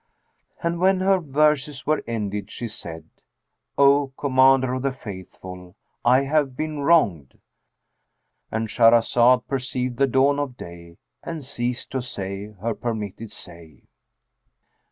And when her verses were ended she said, "O Commander of the Faithful, I have been wronged!"—And Shahrazad perceived the dawn of day and ceased to say her permitted say.